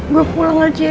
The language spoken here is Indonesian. gue pulang aja ya